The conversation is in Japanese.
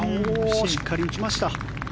しっかり打ちました。